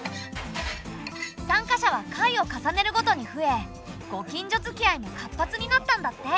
参加者は回を重ねるごとに増えご近所づきあいも活発になったんだって。